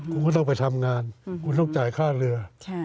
คุณก็ต้องไปทำงานคุณต้องจ่ายค่าเรือ